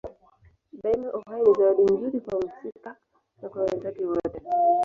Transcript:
Daima uhai ni zawadi nzuri kwa mhusika na kwa wenzake wote.